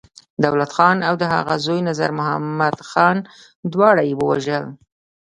دولت خان او د هغه زوی نظرمحمد خان، دواړه يې ووژل.